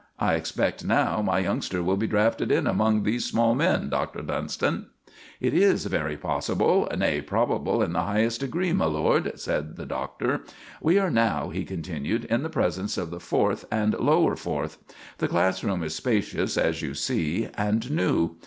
I expect, now, my youngster will be drafted in among these small men, Doctor Dunston?" "It is very possible nay, probable in the highest degree, my lord," said the Doctor. "We are now," he continued, "in the presence of the Fourth and Lower Fourth. The class room is spacious, as you see, and new.